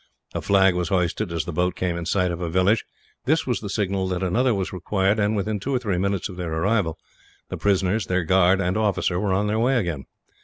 A flag was hoisted as the boat came in sight of a village. This was the signal that another was required and, within two or three minutes of their arrival, the prisoners, their guard and officer were on their way again.